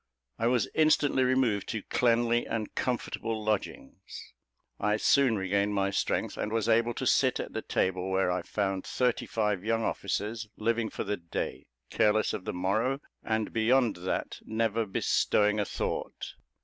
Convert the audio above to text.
I was instantly removed to cleanly and comfortable lodgings. I soon regained my strength, and was able to sit at the table, where I found thirty five young officers, living for the day, careless of the morrow; and, beyond that never bestowing a thought.